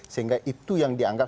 sehingga itu yang dianggap